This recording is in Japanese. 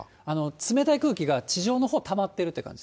冷たい空気が地上のほう、たまってるって感じです。